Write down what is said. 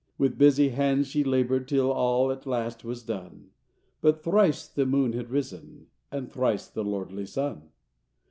With busy hands she labored Till all at last was done— But thrice the moon had risen, And thrice the lordly sun!